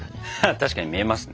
確かに見えますね。